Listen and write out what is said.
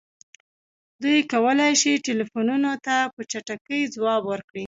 دوی کولی شي ټیلیفونونو ته په چټکۍ ځواب ورکړي